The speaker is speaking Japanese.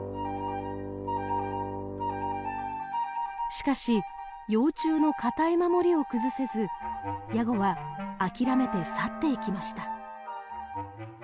しかし幼虫の堅い守りを崩せずヤゴは諦めて去っていきました。